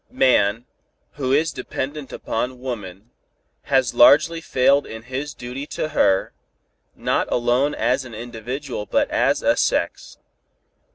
Man, who is so dependent upon woman, has largely failed in his duty to her, not alone as an individual but as a sex.